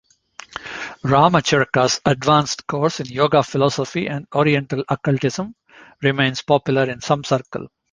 Ramacharaka's "Advanced Course in Yoga Philosophy and Oriental Occultism" remains popular in some circles.